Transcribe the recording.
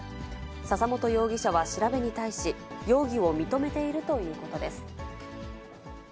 笹本容疑者は調べに対し、容疑を認めているということです。